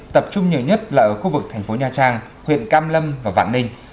tập trung nhiều nhất là ở khu vực tp nha trang huyện cam lâm và vạn ninh